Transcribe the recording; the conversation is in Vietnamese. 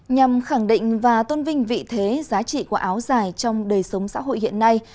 nhằm khẳng định và tôn vinh vị thế giá trị của áo dài trong đời sống xã hội hiện nay